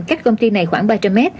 cách công ty này khoảng ba trăm linh m